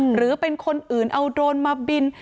หรือเป็นคนอื่นเอาโดรนมาบิน